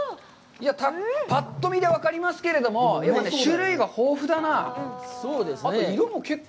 ぱっと見で分かりますけれども、でもね、種類が豊富だな。